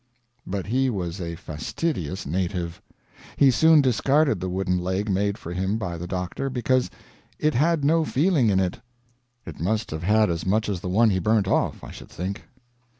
But he was a fastidious native. He soon discarded the wooden leg made for him by the doctor, because "it had no feeling in it." It must have had as much as the one he burnt off, I should think.